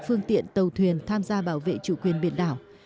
phương tiện tàu thuyền tham gia bảo vệ chủ quyền biển đảo